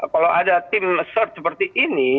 kalau ada tim resort seperti ini